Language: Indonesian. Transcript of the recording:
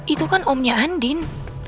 itu kan omnya andin